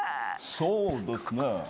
そうですね。